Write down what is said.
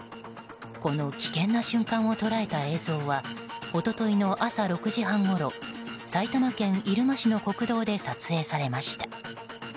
この危険な瞬間を捉えた映像は一昨日の朝６時半ごろ埼玉県入間市の国道で撮影されました。